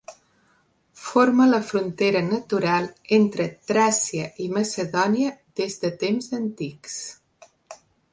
Forma la frontera natural entre Tràcia i Macedònia des de temps antics.